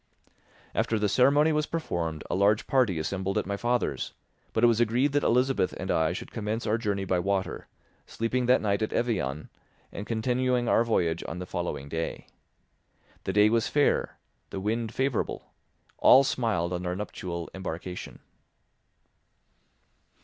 After the ceremony was performed a large party assembled at my father's, but it was agreed that Elizabeth and I should commence our journey by water, sleeping that night at Evian and continuing our voyage on the following day. The day was fair, the wind favourable; all smiled on our nuptial embarkation.